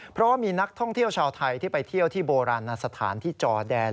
เพราะว่ามีนักท่องเที่ยวชาวไทยที่ไปเที่ยวที่โบราณสถานที่จอแดน